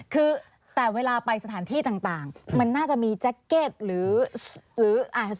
คือแต่เวลาไปสถานที่ต่างมันน่าจะมีแจ็คเก็ตหรืออาจจะ